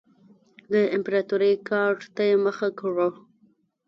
د امپراتورۍ ګارډ ته یې مخه کړه